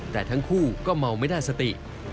แต่ทั้งคู่ก็เมาไม่ได้สติ